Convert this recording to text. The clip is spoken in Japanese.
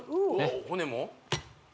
骨も？